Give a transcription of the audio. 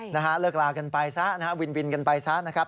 นะฮะเลิกลากันไปซะนะฮะวินวินกันไปซะนะครับ